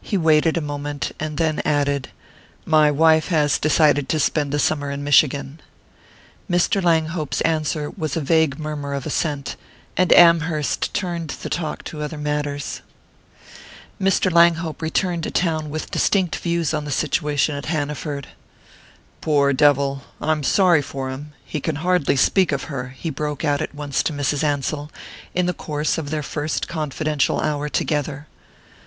He waited a moment, and then added: "My wife has decided to spend the summer in Michigan." Mr. Langhope's answer was a vague murmur of assent, and Amherst turned the talk to other matters. Mr. Langhope returned to town with distinct views on the situation at Hanaford. "Poor devil I'm sorry for him: he can hardly speak of her," he broke out at once to Mrs. Ansell, in the course of their first confidential hour together.